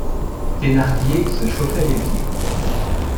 Thénardier se chauffait les pieds.